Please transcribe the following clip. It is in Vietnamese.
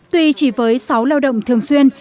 tuy chỉ với sáu lao động thường xuyên